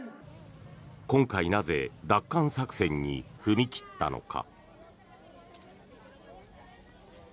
今回、なぜ奪還作戦に踏み切ったのか。